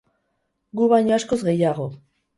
Gu baino askoz gehiago.